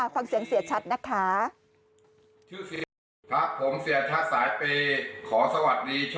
ฟังเสียงเสียชัดนะคะ